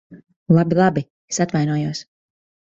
Labi, labi. Es atvainojos.